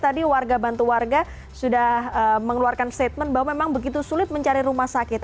tadi warga bantu warga sudah mengeluarkan statement bahwa memang begitu sulit mencari rumah sakit